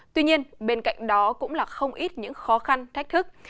tuy nhiên bên cạnh đó cũng là không ít những khó khăn thách thức